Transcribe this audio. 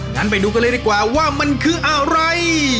งั้นไปดูกันเลยดีกว่าว่ามันคืออะไร